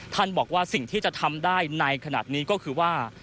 บอกว่าสิ่งที่จะทำได้ในขณะนี้ก็คือว่า